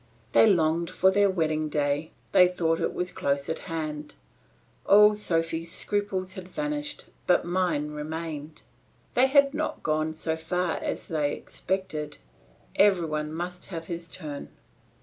They longed for their wedding day; they thought it was close at hand; all Sophy's scruples had vanished, but mine remained. They had not got so far as they expected; every one must have his turn.